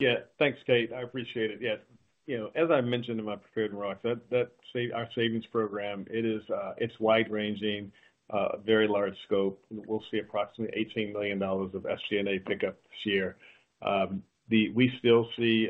Yeah. Thanks, Kate. I appreciate it. Yeah. You know, as I mentioned in my prepared remarks, that our savings program, it's wide-ranging, very large scope, and we'll see approximately $18 million of SG&A pickup this year. We still see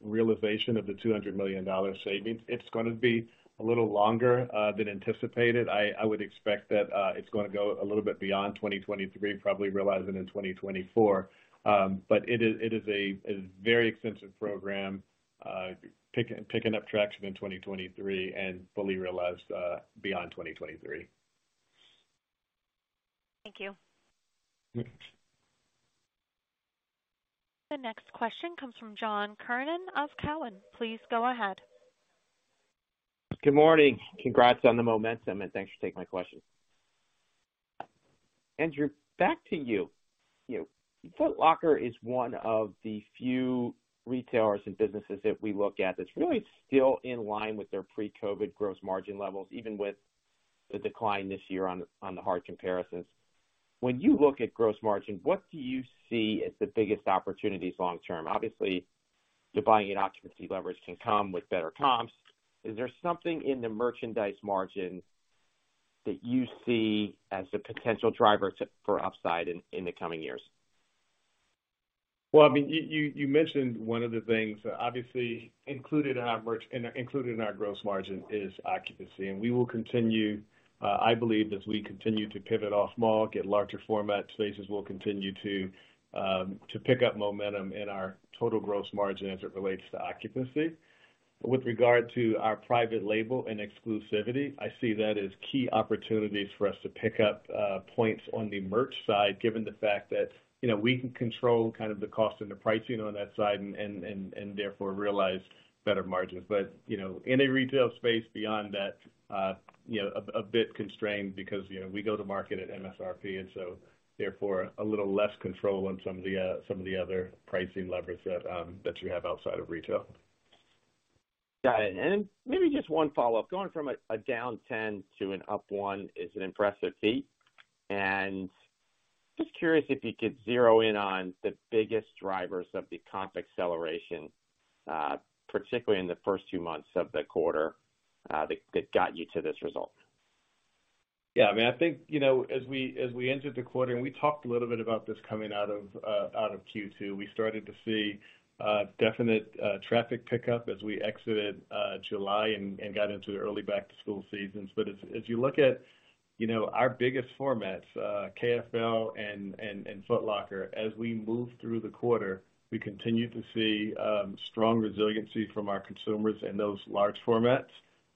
realization of the $200 million savings. It's gonna be a little longer than anticipated. I would expect that it's gonna go a little bit beyond 2023, probably realize it in 2024. It is a very extensive program, picking up traction in 2023 and fully realized beyond 2023. Thank you. Thanks. The next question comes from John Kernan of Cowen. Please go ahead. Good morning. Congrats on the momentum, and thanks for taking my question. Andrew, back to you. You know, Foot Locker is one of the few retailers and businesses that we look at that's really still in line with their pre-COVID gross margin levels, even with the decline this year on the hard comparisons. When you look at gross margin, what do you see as the biggest opportunities long term? Obviously, the buying and occupancy leverage can come with better comps. Is there something in the merchandise margin that you see as a potential driver for upside in the coming years? Well, I mean, you mentioned one of the things, obviously included in our merch and included in our gross margin is occupancy. We will continue, I believe as we continue to pivot off mall, get larger format spaces, we'll continue to pick up momentum in our total gross margin as it relates to occupancy. With regard to our private label and exclusivity, I see that as key opportunities for us to pick up points on the merch side, given the fact that, you know, we can control kind of the cost and the pricing on that side and therefore realize better margins. You know, in a retail space beyond that, you know, a bit constrained because, you know, we go to market at MSRP, and so therefore a little less control on some of the other pricing levers that you have outside of retail. Got it. Maybe just one follow-up. Going from a down 10% to an up 1% is an impressive feat. Just curious if you could zero in on the biggest drivers of the comp acceleration, particularly in the first two months of the quarter that got you to this result? Yeah, I mean, I think, you know, as we entered the quarter, and we talked a little bit about this coming out of Q2, we started to see definite traffic pickup as we exited July and got into the early back-to-school seasons. As you look at, you know, our biggest formats, KFL and Foot Locker, as we move through the quarter, we continue to see strong resiliency from our consumers in those large formats.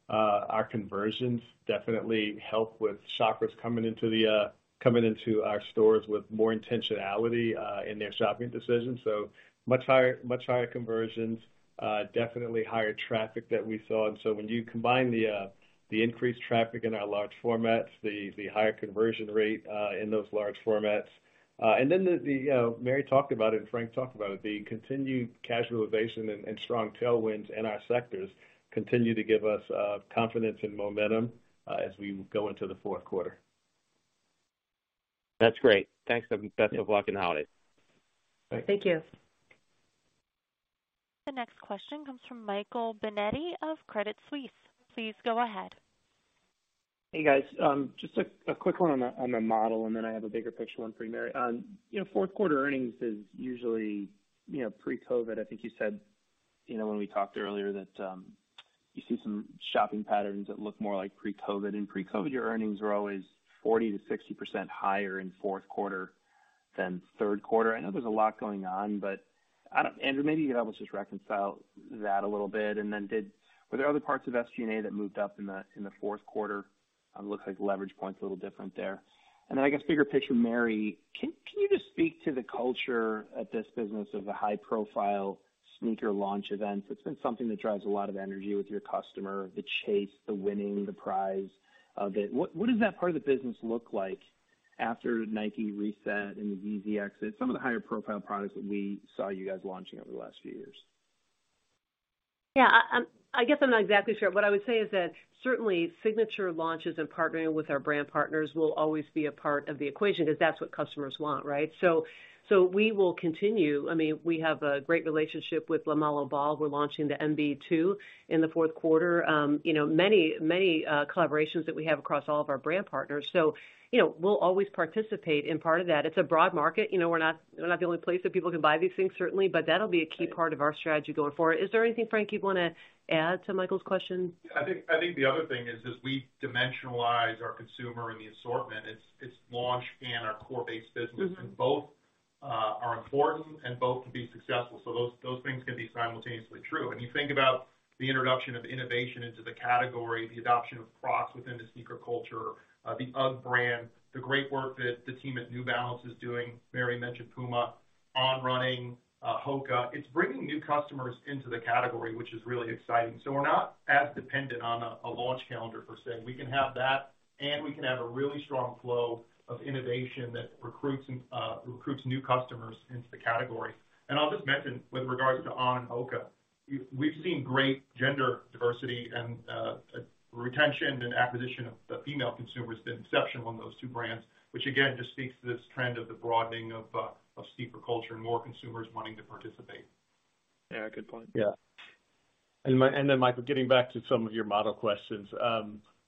Our conversions definitely help with shoppers coming into our stores with more intentionality in their shopping decisions. Much higher conversions, definitely higher traffic that we saw. When you combine the increased traffic in our large formats, the higher conversion rate in those large formats. Mary talked about it and Frank talked about it. The continued casualization and strong tailwinds in our sectors continue to give us confidence and momentum as we go into the fourth quarter. That's great. Thanks. Yeah. Best of luck in the holiday. Thanks. Thank you. The next question comes from Michael Binetti of Credit Suisse. Please go ahead. Hey, guys. Just a quick one on the model, and then I have a bigger picture one for you, Mary. You know, fourth quarter earnings is usually, you know, pre-COVID, I think you said, you know, when we talked earlier that you see some shopping patterns that look more like pre-COVID and pre-COVID, your earnings were always 40%-60% higher in fourth quarter than third quarter. I know there's a lot going on. Andrew, maybe you could help us just reconcile that a little bit. Were there other parts of SG&A that moved up in the fourth quarter? Looks like leverage point's a little different there. I guess, bigger picture, Mary, can you just speak to the culture at this business of the high profile sneaker launch events? It's been something that drives a lot of energy with your customer, the chase, the winning, the prize of it. What does that part of the business look like after Nike reset and the Yeezy exit, some of the higher profile products that we saw you guys launching over the last few years? Yeah, I guess I'm not exactly sure. What I would say is that certainly signature launches and partnering with our brand partners will always be a part of the equation because that's what customers want, right? We will continue. I mean, we have a great relationship with LaMelo Ball. We're launching the MB.02 in the fourth quarter. You know, many collaborations that we have across all of our brand partners. You know, we'll always participate in part of that. It's a broad market. You know, we're not the only place that people can buy these things, certainly, but that'll be a key part of our strategy going forward. Is there anything, Frank, you'd wanna add to Michael's question? I think the other thing is, as we dimensionalize our consumer and the assortment, it's launch and our core base business. Mm-hmm. Both are important and both can be successful. Those things can be simultaneously true. When you think about the introduction of innovation into the category, the adoption of Crocs within the sneaker culture, the UGG brand, the great work that the team at New Balance is doing, Mary mentioned Puma, On Running, Hoka, it's bringing new customers into the category, which is really exciting. We're not as dependent on a launch calendar per se. We can have that, and we can have a really strong flow of innovation that recruits new customers into the category. I'll just mention with regards to On and Hoka, we've seen great gender diversity and retention and acquisition of female consumers has been exceptional in those two brands, which again, just speaks to this trend of the broadening of sneaker culture and more consumers wanting to participate. Yeah, good point. Yeah. Michael, getting back to some of your model questions.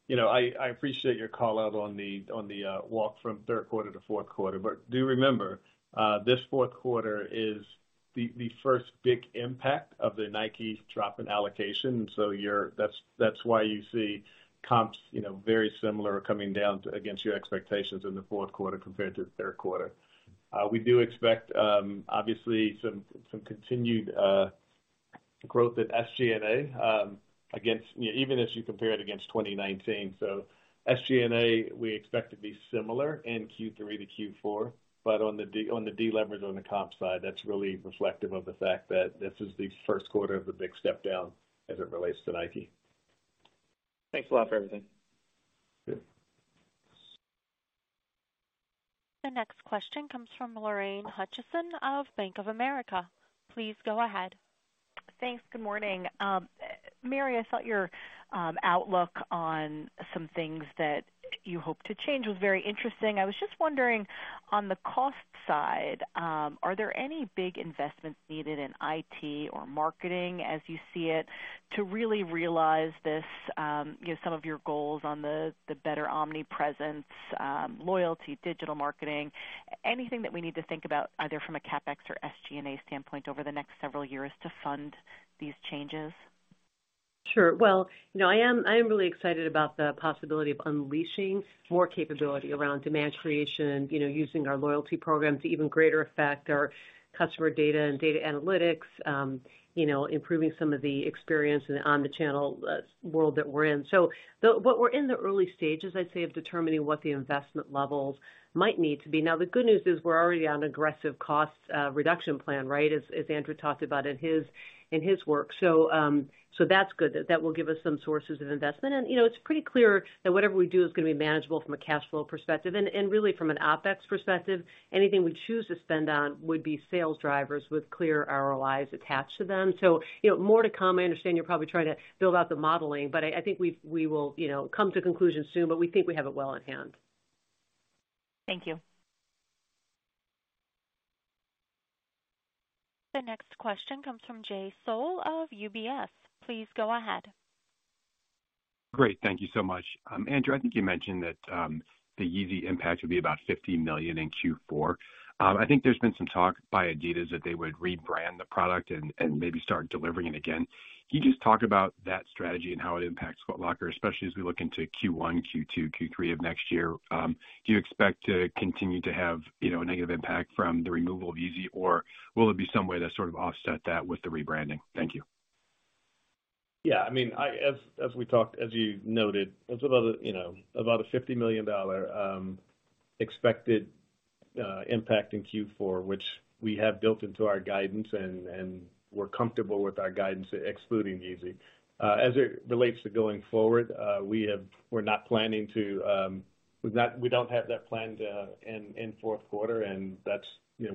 You know, I appreciate your call out on the walk from third quarter to fourth quarter. Do remember, this fourth quarter is the first big impact of the Nike drop in allocation. That's why you see comps, you know, very similar against your expectations in the fourth quarter compared to the third quarter. We do expect obviously some continued growth at SG&A against, you know, even as you compare it against 2019. SG&A, we expect to be similar in Q3 to Q4. On the deleverage on the comp side, that's really reflective of the fact that this is the first quarter of the big step down as it relates to Nike. Thanks a lot for everything. Sure. The next question comes from Lorraine Hutchinson of Bank of America. Please go ahead. Thanks. Good morning. Mary, I thought your outlook on some things that you hope to change was very interesting. I was just wondering, on the cost side, are there any big investments needed in I.T. or marketing as you see it to really realize this, you know, some of your goals on the better omnipresence, loyalty, digital marketing? Anything that we need to think about, either from a CapEx or SG&A standpoint over the next several years to fund these changes? Sure. Well, you know, I am really excited about the possibility of unleashing more capability around demand creation, you know, using our loyalty program to even greater effect our customer data and data analytics, you know, improving some of the experience in the omni-channel world that we're in. We're in the early stages, I'd say, of determining what the investment levels might need to be. Now, the good news is we're already on aggressive cost reduction plan, right, as Andrew talked about in his work. That's good. That will give us some sources of investment. You know, it's pretty clear that whatever we do is gonna be manageable from a cash flow perspective and really from an OpEx perspective. Anything we choose to spend on would be sales drivers with clear ROIs attached to them. You know, more to come. I understand you're probably trying to build out the modeling, but I think we will, you know, come to conclusion soon, but we think we have it well in hand. Thank you. The next question comes from Jay Sole of UBS. Please go ahead. Great. Thank you so much. Andrew, I think you mentioned that the Yeezy impact would be about $50 million in Q4. I think there's been some talk by Adidas that they would rebrand the product and maybe start delivering it again. Can you just talk about that strategy and how it impacts Foot Locker, especially as we look into Q1, Q2, Q3 of next year? Do you expect to continue to have, you know, a negative impact from the removal of Yeezy, or will it be some way to sort of offset that with the rebranding? Thank you. Yeah, I mean, as we talked, as you noted, it's about a, you know, $50 million expected impact in Q4, which we have built into our guidance and we're comfortable with our guidance excluding Yeezy. As it relates to going forward, we don't have that planned in fourth quarter and that's, you know,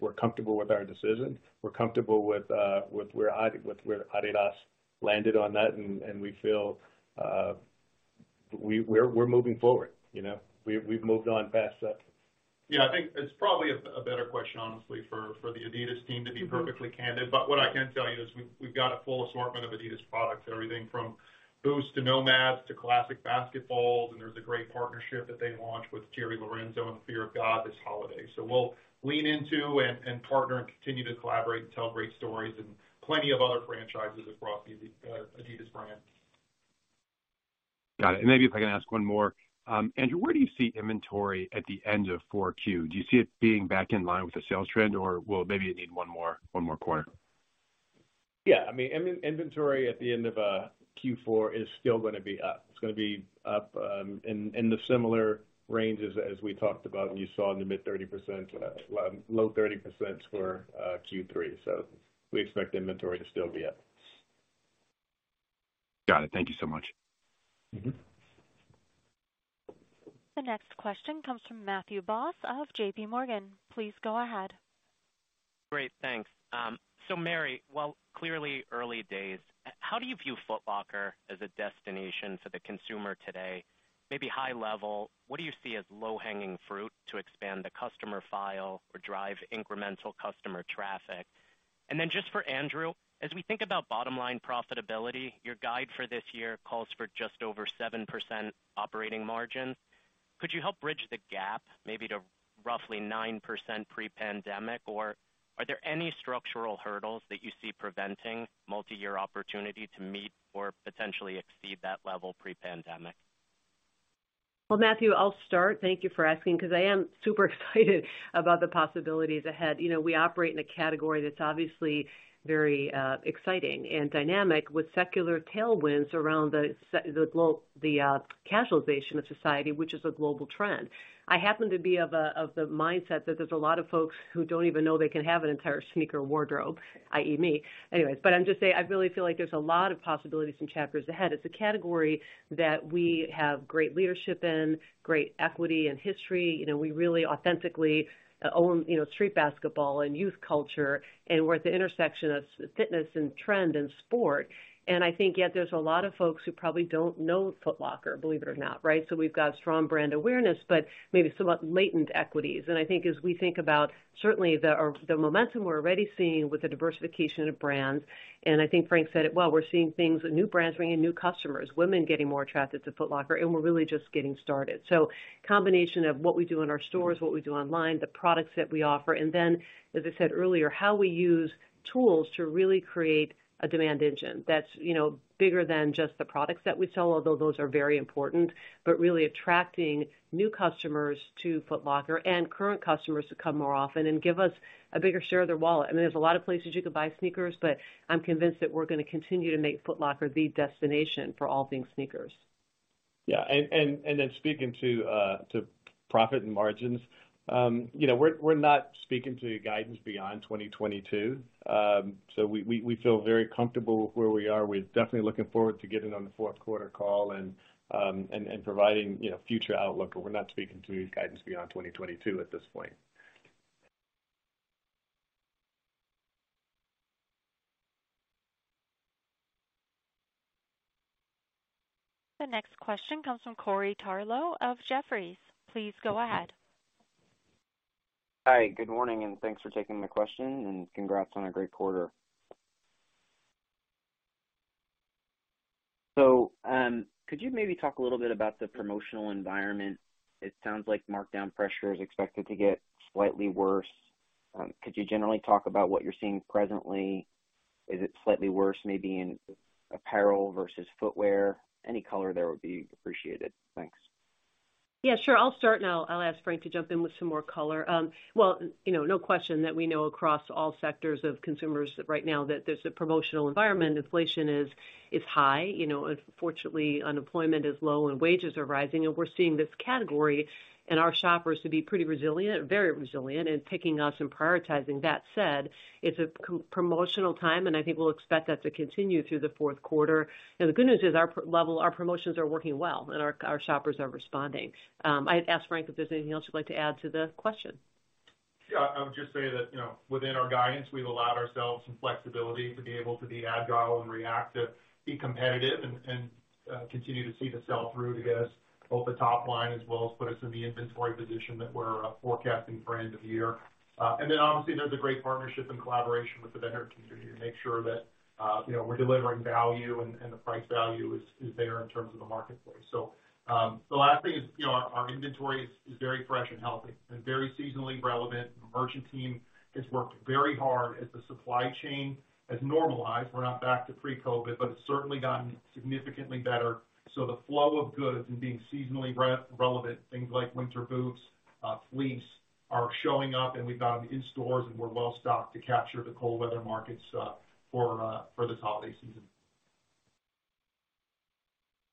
we're comfortable with our decision. We're comfortable with where Adidas landed on that and we feel we're moving forward, you know. We've moved on past that. Yeah. I think it's probably a better question honestly, for the Adidas team to be perfectly candid. What I can tell you is we've got a full assortment of Adidas products, everything from Boost to NMD to classic basketballs, and there's a great partnership that they launched with Jerry Lorenzo and Fear of God this holiday. We'll lean into and partner and continue to collaborate and tell great stories and plenty of other franchises across the Adidas brand. Got it. Maybe if I can ask one more. Andrew, where do you see inventory at the end of 4Q? Do you see it being back in line with the sales trend or will maybe it need one more quarter? Yeah, I mean, inventory at the end of Q4 is still gonna be up. It's gonna be up in the similar ranges as we talked about and you saw in the mid-30%, low-30% for Q3. We expect inventory to still be up. Got it. Thank you so much. Mm-hmm. The next question comes from Matthew Boss of JPMorgan. Please go ahead. Great, thanks. Mary, while clearly early days, how do you view Foot Locker as a destination for the consumer today? Maybe high level, what do you see as low-hanging fruit to expand the customer file or drive incremental customer traffic? Just for Andrew, as we think about bottom-line profitability, your guide for this year calls for just over 7% operating margin. Could you help bridge the gap maybe to roughly 9% pre-pandemic? Are there any structural hurdles that you see preventing multi-year opportunity to meet or potentially exceed that level pre-pandemic? Well, Matthew, I'll start. Thank you for asking because I am super excited about the possibilities ahead. You know, we operate in a category that's obviously very exciting and dynamic with secular tailwinds around the casualization of society, which is a global trend. I happen to be of the mindset that there's a lot of folks who don't even know they can have an entire sneaker wardrobe, i.e. me. Anyways, I'm just saying, I really feel like there's a lot of possibilities and chapters ahead. It's a category that we have great leadership in, great equity and history. You know, we really authentically own, you know, street basketball and youth culture, and we're at the intersection of fitness and trend and sport. I think, yet there's a lot of folks who probably don't know Foot Locker, believe it or not, right? We've got strong brand awareness, but maybe somewhat latent equities. I think as we think about certainly the momentum we're already seeing with the diversification of brands, and I think Frank said it well, we're seeing things with new brands bringing new customers. Women getting more attracted to Foot Locker, and we're really just getting started. Combination of what we do in our stores, what we do online, the products that we offer, and then as I said earlier, how we use tools to really create a demand engine that's, you know, bigger than just the products that we sell, although those are very important, but really attracting new customers to Foot Locker and current customers to come more often and give us a bigger share of their wallet. I mean, there's a lot of places you could buy sneakers, but I'm convinced that we're gonna continue to make Foot Locker the destination for all things sneakers. Yeah. Speaking to profit and margins, you know, we're not speaking to guidance beyond 2022. We feel very comfortable where we are. We're definitely looking forward to getting on the fourth quarter call and providing, you know, future outlook, but we're not speaking to guidance beyond 2022 at this point. The next question comes from Corey Tarlowe of Jefferies. Please go ahead. Hi, good morning, and thanks for taking my question, and congrats on a great quarter. Could you maybe talk a little bit about the promotional environment? It sounds like markdown pressure is expected to get slightly worse. Could you generally talk about what you're seeing presently? Is it slightly worse maybe in apparel versus footwear? Any color there would be appreciated. Thanks. Yeah, sure. I'll start and I'll ask Frank to jump in with some more color. Well, you know, no question that we know across all sectors of consumers right now that there's a promotional environment. Inflation is high. You know, fortunately, unemployment is low and wages are rising, and we're seeing this category and our shoppers to be very resilient in picking us and prioritizing. That said, it's a promotional time, and I think we'll expect that to continue through the fourth quarter. The good news is our promotions are working well and our shoppers are responding. I'd ask Frank if there's anything else you'd like to add to the question. Yeah, I would just say that, you know, within our guidance, we've allowed ourselves some flexibility to be able to be agile and react, to be competitive and continue to see the sell-through to get us both the top line as well as put us in the inventory position that we're forecasting for end of year. Obviously, there's a great partnership and collaboration with the vendor community to make sure that, you know, we're delivering value and the price value is there in terms of the marketplace. The last thing is, you know, our inventory is very fresh and healthy and very seasonally relevant. The merchant team has worked very hard as the supply chain has normalized. We're not back to pre-COVID-19, but it's certainly gotten significantly better. The flow of goods and being seasonally re-relevant, things like winter boots, fleeces are showing up, and we've got them in stores, and we're well stocked to capture the cold weather markets for this holiday season.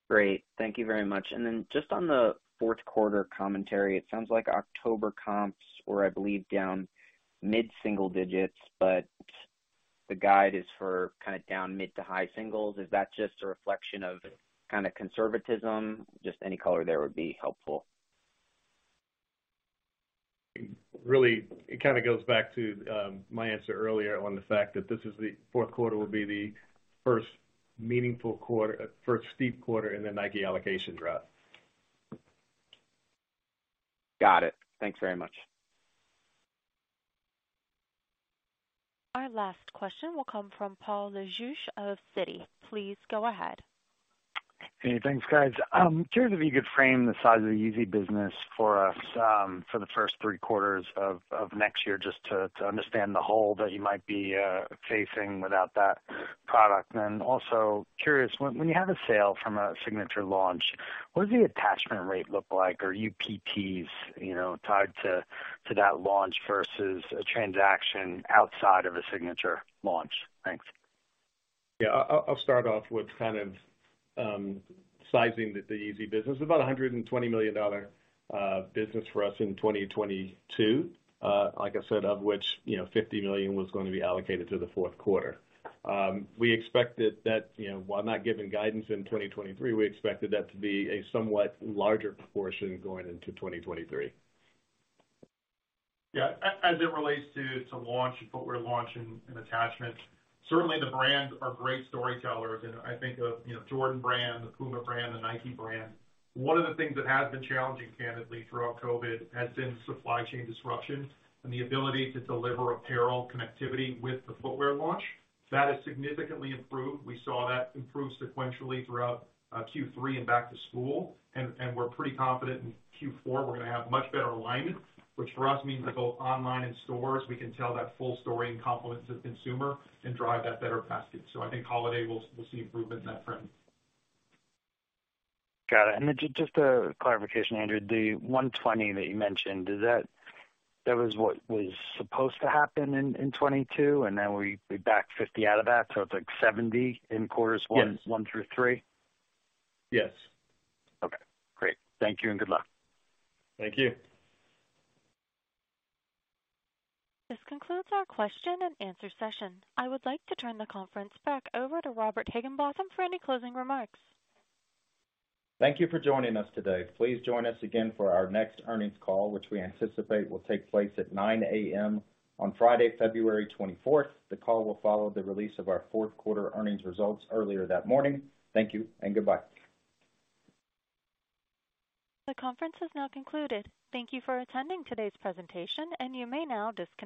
Great. Thank you very much. Just on the fourth quarter commentary, it sounds like October comps were, I believe, down mid-single digits, but the guide is for kinda down mid- to high-singles. Is that just a reflection of kinda conservatism? Just any color there would be helpful. Really, it kinda goes back to my answer earlier on the fact that the fourth quarter will be the first meaningful quarter, first steep quarter in the Nike allocation drop. Got it. Thanks very much. Our last question will come from Paul Lejuez of Citi. Please go ahead. Hey, thanks, guys. Curious if you could frame the size of the Yeezy business for us for the first three quarters of next year, just to understand the hole that you might be facing without that product. Also curious, when you have a sale from a signature launch, what does the attachment rate look like? Are UPTs, you know, tied to that launch versus a transaction outside of a signature launch? Thanks. Yeah. I'll start off with kind of sizing the Yeezy business. About $120 million dollar business for us in 2022, like I said, of which, you know, $50 million was gonna be allocated to the fourth quarter. We expected that, you know, while not giving guidance in 2023, we expected that to be a somewhat larger proportion going into 2023. Yeah. As it relates to launch, footwear launch and attachment, certainly the brands are great storytellers, and I think of, you know, Jordan Brand, the Puma brand, the Nike brand. One of the things that has been challenging, candidly, throughout COVID has been supply chain disruption and the ability to deliver apparel connectivity with the footwear launch. That has significantly improved. We saw that improve sequentially throughout Q3 and back to school. We're pretty confident in Q4 we're gonna have much better alignment, which for us means that both online and stores, we can tell that full story and complement the consumer and drive that better basket. I think holiday we'll see improvement in that front. Got it. Just a clarification, Andrew. The $120 that you mentioned, that was what was supposed to happen in 2022. We backed $50 out of that, it's like $70 in quarters one. Yes. 1-3? Yes. Okay, great. Thank you and good luck. Thank you. This concludes our question and answer session. I would like to turn the conference back over to Robert Higginbotham for any closing remarks. Thank you for joining us today. Please join us again for our next earnings call, which we anticipate will take place at 9:00 A.M. on Friday, February 24th. The call will follow the release of our fourth quarter earnings results earlier that morning. Thank you and goodbye. The conference has now concluded. Thank you for attending today's presentation, and you may now disconnect.